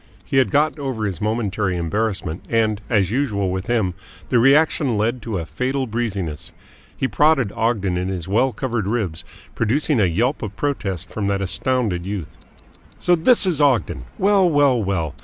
He had got over his momentary embarrassment, and, as usual with him, the reaction led to a fatal breeziness. He prodded Ogden in his well covered ribs, producing a yelp of protest from that astounded youth. "So this is Ogden! Well, well, well!